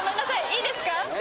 いいですか？